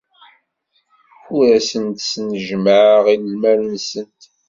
Ur asent-d-snejmaɛeɣ lmal-nsent.